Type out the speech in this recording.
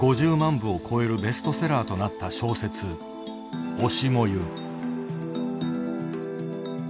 部を超えるベストセラーとなった小説「推し、燃ゆ」。